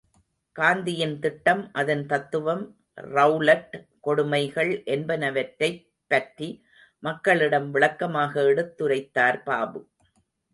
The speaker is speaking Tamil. காந்தியின் திட்டம், அதன் தத்துவம், ரெளலட் கொடுமைகள் என்பனவற்றைப் பற்றி மக்களிடம் விளக்கமாக எடுத்துரைத்தார் பாபு.